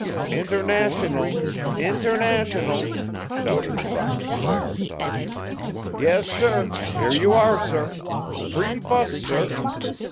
"Internaytional! Internaytional!" shouted a runner by our side. "Yes, sir; here you are, sir. Free 'bus, sir."